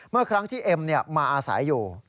เมื่อครั้งที่เอ็มมาอาศัยอยู่